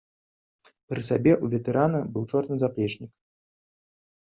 Пры сабе ў ветэрана быў чорны заплечнік.